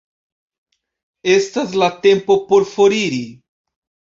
Estas la tempo por foriri.